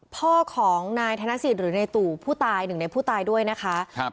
พ่อของนายธนสิทธิ์หรือในตู่ผู้ตายหนึ่งในผู้ตายด้วยนะคะครับ